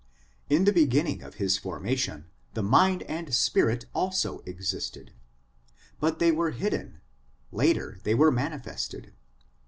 In the beginning of his formation the mind and spirit also existed, but they were hidden; later they were manifested.